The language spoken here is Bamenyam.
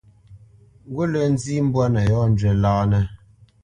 Ngut lǝ̂ nzǐ mbwǎ nǝ yɔ́njwǐ lǎnǝ.